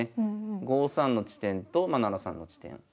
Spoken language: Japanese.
５三の地点と７三の地点。